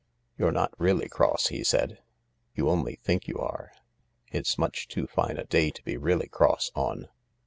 " You're not really cross," he said ;" you only think you are. It's much too fine a day to be really cross on.